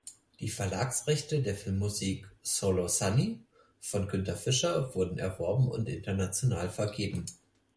Die Verlagsrechte der Filmmusik "Solo Sunny" von Günther Fischer wurden erworben und international vergeben.